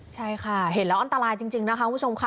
ใช่ค่ะเห็นแล้วอันตรายจริงนะคะคุณผู้ชมค่ะ